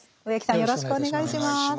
植木さんよろしくお願いします。